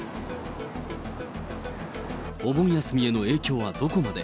お盆休みへの影響はどこまで。